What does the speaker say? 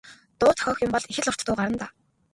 Дуу зохиох юм бол их л урт дуу гарна даа.